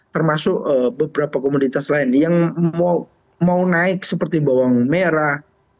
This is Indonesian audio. termasuk beberapa komoditas lain yang mau naik seperti bawang merah